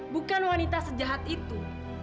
bukan wanita sejahat itu